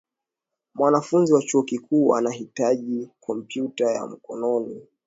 Mwanafunzi wa chuo kikuu anahitaji kompyuta ya mkokoni.